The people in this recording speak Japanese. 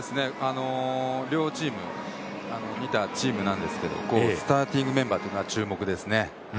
両チーム似たチームなんですけどスターティングメンバー注目ですね。